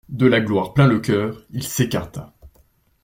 De la gloire plein le cœur, il s'écarta.